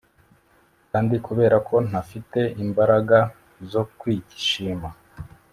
kandi kubera ko ntafite imbaraga zo kwishima